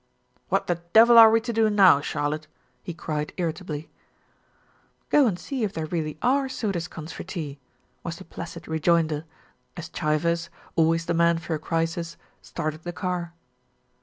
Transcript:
"What the devil are we to do now, Charlotte?" he cried irritably. "Go and see if there really are soda scones for tea," was the placid rejoinder, as Chivers, always the man for a crisis, started the car.